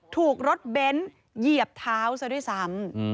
ถูกรถเบนท์เหยียบเท้าซะด้วยซ้ำ